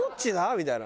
みたいな。